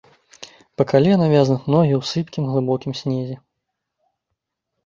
Па калена вязнуць ногі ў сыпкім, глыбокім снезе.